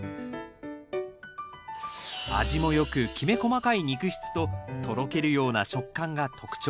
味も良くきめ細かい肉質ととろけるような食感が特徴。